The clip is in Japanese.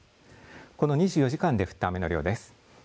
この２４時間で降った雨の量です。